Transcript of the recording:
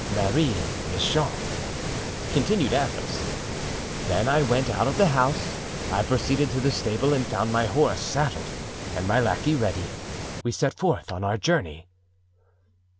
"Marie Michon," continued Athos. "Then I went out of the house; I proceeded to the stable and found my horse saddled and my lackey ready. We set forth on our journey."